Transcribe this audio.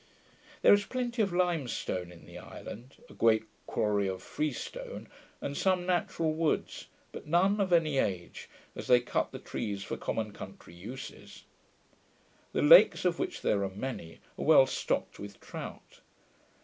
There is plenty of lime stone in the island, a great quarry of free stone, and some natural woods, but none of any age, as they cut the trees for common country uses. The lakes, of which there are many, are well stocked with trout.